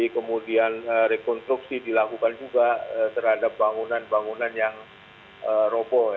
kemudian rekonstruksi dilakukan juga terhadap bangunan bangunan yang robo